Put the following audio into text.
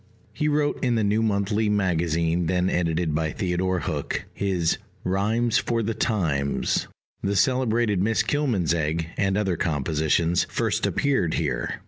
He wrote in the New Monthly Magazine, then edited by Theodore Hook: his Rhymes for the Times, the celebrated Miss Kilmansegg, and other compositions, first appeared here.